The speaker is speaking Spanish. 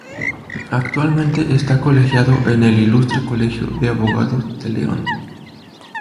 Actualmente está colegiado en el Ilustre Colegio de Abogados de León.